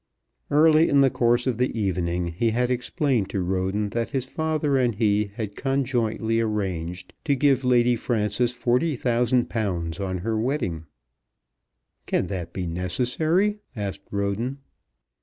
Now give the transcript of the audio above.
Early in the course of the evening he had explained to Roden that his father and he had conjointly arranged to give Lady Frances £40,000 on her wedding. "Can that be necessary?" asked Roden.